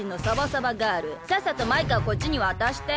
さっさとマイカをこっちにわたして。